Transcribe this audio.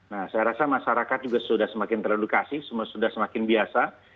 nah saya rasa masyarakat juga sudah semakin teredukasi semua sudah semakin biasa